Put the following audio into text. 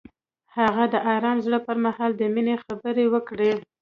هغه د آرام زړه پر مهال د مینې خبرې وکړې.